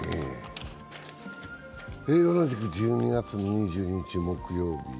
同じく１２月２２日、木曜日。